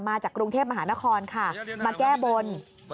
มาจากกรุงเทพมหานครค่ะมาแก้บน